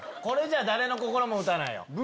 これじゃ誰の心も打たないよ。